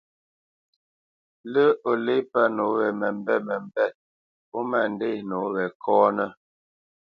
Lə́ o lê pə́ nǒ we məmbêt məmbêt ó ma ndê nǒ we kɔ́nə́.